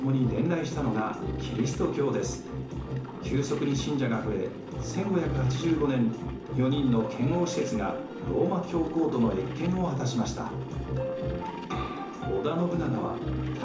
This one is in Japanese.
急速に信者が増え１５８５年４人の遣欧使節がローマ教皇との謁見を果たしました。